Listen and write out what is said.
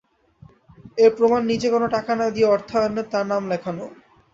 এর প্রমাণ নিজে কোনো টাকা না দিয়েও অর্থায়নে তাঁর নাম লেখানো।